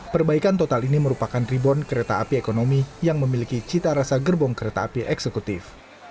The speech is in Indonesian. perbaikan total ini merupakan reborn kereta api ekonomi yang memiliki cita rasa gerbong kereta api eksekutif